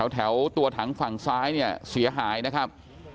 แถวตัวถังฝั่งซ้ายเนี่ยเสียหายนะครับ